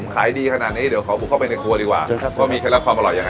จนครับ